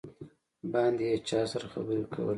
باندې یې چا سره خبرې کولې.